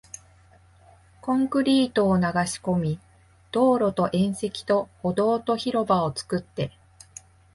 コンクリートを流し込み、道路と縁石と歩道と広場を作って